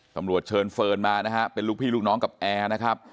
เชิญเฟิร์นมานะฮะเป็นลูกพี่ลูกน้องกับแอร์นะครับ